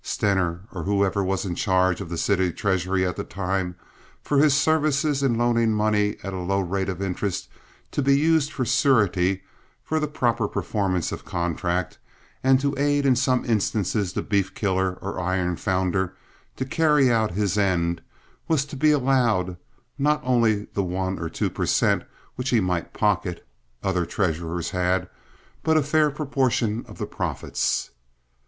Stener, or whoever was in charge of the city treasury at the time, for his services in loaning money at a low rate of interest to be used as surety for the proper performance of contract, and to aid in some instances the beef killer or iron founder to carry out his end, was to be allowed not only the one or two per cent. which he might pocket (other treasurers had), but a fair proportion of the profits.